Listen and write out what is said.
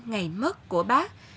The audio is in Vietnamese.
ngày mất của bác